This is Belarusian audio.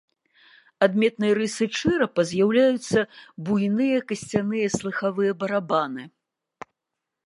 Адметнай рысай чэрапа з'яўляюцца буйныя касцяныя слыхавыя барабаны.